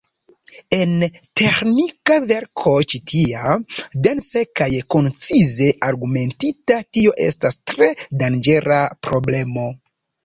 En teĥnika verko ĉi tia, dense kaj koncize argumentita, tio estas tre danĝera problemo.